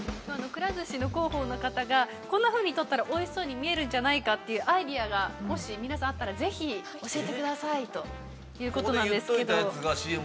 くら寿司の広報の方がこんなふうに撮ったらおいしそうに見えるんじゃないかっていうアイデアがもし皆さんあったらぜひ教えてくださいということなんですけど。